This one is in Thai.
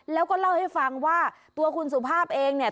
แล้วก็เล่าให้ฟังว่าตัวคุณสุภาพเองเนี่ย